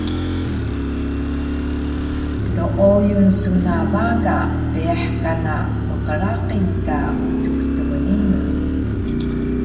Dooyun su na baga peeyah kana mqraqil ka Utux Tmninun